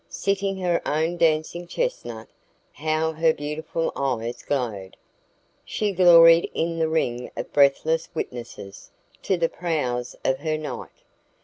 Sitting her own dancing chestnut, how her beautiful eyes glowed! She gloried in the ring of breathless witnesses to the prowess of her knight.